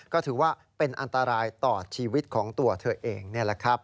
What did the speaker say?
ก็ถือว่าเป็นอันตรายต่อชีวิตของตัวเธอเองนี่แหละครับ